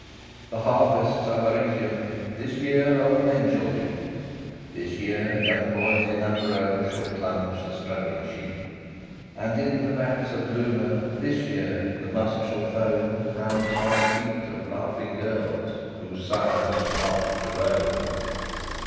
VIII The harvests of Arretium, This year, old men shall reap; This year, young boys in Umbro Shall plunge the struggling sheep; And in the vats of Luna, This year, the must shall foam Round the white feet of laughing girls Whose sires have marched to Rome.